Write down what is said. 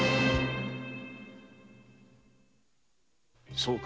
そうか。